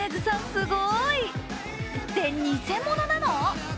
すごーいって偽者なの？